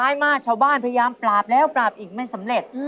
มากชาวบ้านพยายามปราบแล้วปราบอีกไม่สำเร็จ